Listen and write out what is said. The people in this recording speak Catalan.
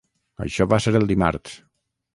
Això va ser el dimarts.